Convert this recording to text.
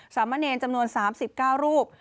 สามเมินเอนจำนวน๓๙รูป